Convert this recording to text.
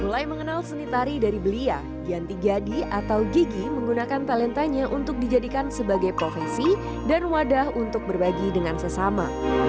mulai mengenal seni tari dari belia gianti giyadi atau gigi menggunakan talentanya untuk dijadikan sebagai profesi dan wadah untuk berbagi dengan sesama